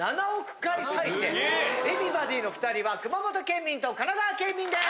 Ｅｖｅｒｙｂｏｄｙの２人は熊本県民と神奈川県民です！